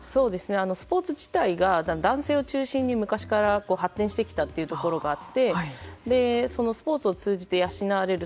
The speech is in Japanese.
スポーツ自体が男性を中心に昔から発展してきたというところがあってそのスポーツを通じて養われる